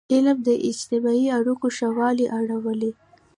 علم د اجتماعي اړیکو ښهوالی راولي.